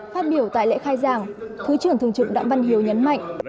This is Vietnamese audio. phát biểu tại lễ khai giảng thứ trưởng thường trực đặng văn hiếu nhấn mạnh